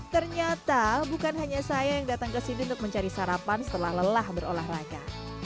ternyata bukan hanya saya yang datang ke sini untuk mencari sarapan setelah lelah berolahraga